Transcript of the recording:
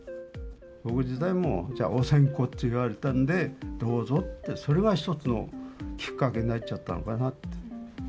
僕自体も、お線香って言われたんで、どうぞって、それが一つのきっかけになっちゃったのかなって。